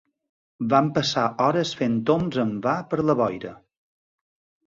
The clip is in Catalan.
Vam passar hores fent tombs en va per la boira